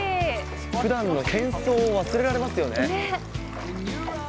ふだんのけん騒を忘れられますよね。